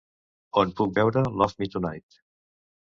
On puc veure Love Me Tonight